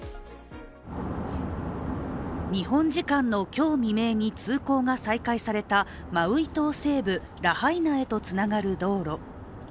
日本時間の今日未明に通行が再開されたマウイ島西部ラハイナへとつながる道路。